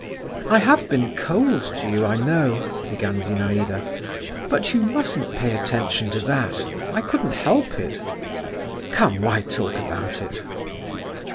"I have been cold to you, I know," began Zinaïda, "but you mustn't pay attention to that … I couldn't help it…. Come, why talk about it!"